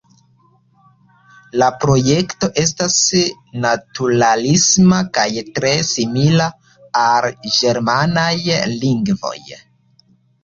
La projekto estas naturalisma kaj tre simila al ĝermanaj lingvoj.